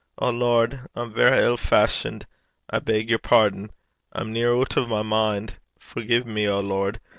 O Lord! I'm verra ill fashioned. I beg yer pardon. I'm near oot o' my min'. Forgie me, O Lord!